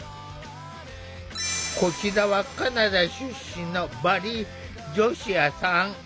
こちらはカナダ出身のバリージョシュアさん。